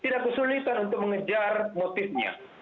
tidak kesulitan untuk mengejar motifnya